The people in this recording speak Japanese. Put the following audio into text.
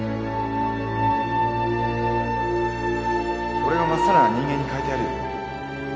俺がまっさらな人間に変えてやるよ